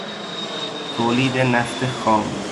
تولید نفت خام